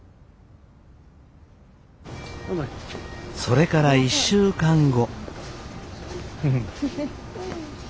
それから１週間後。